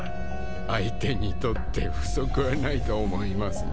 相手にとって不足はないと思いますが。